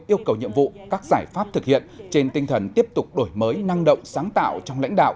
yêu cầu nhiệm vụ các giải pháp thực hiện trên tinh thần tiếp tục đổi mới năng động sáng tạo trong lãnh đạo